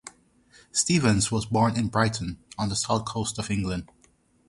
Stevens was born in Brighton on the south coast of England.